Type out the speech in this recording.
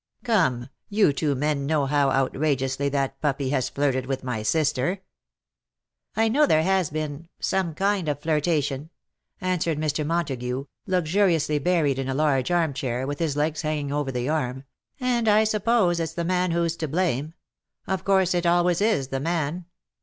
Come, you two men know how outrageously that puppy has flirted with my sister." ^' I know there has been — some kind of flirtation," answered Mr. Montagu, luxuriously buried in a large armchair, with his legs hanging over the arm, " and I suppose it's the man who's to blame. Of course it always is the man."